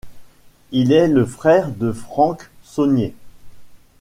Il est le frère de Franck Saunier.